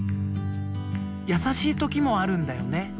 やさしいときもあるんだよね。